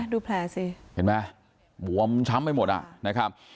ดูแผลสิเห็นไหมบวมช้ำไปหมดอ่ะ